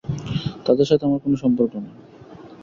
তাদের সাথে আমার কোন সম্পর্ক নেই।